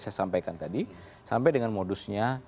saya sampaikan tadi sampai dengan modusnya